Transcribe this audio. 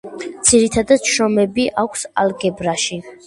ძირითადი შრომები აქვს ალგებრაში.